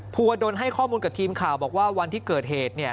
ภูวดลให้ข้อมูลกับทีมข่าวบอกว่าวันที่เกิดเหตุเนี่ย